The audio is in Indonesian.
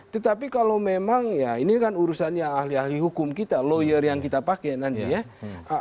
tetapi kalau memang ya ini kan urusannya ahli ahli hukum kita lawyer yang kita pakai nanti ya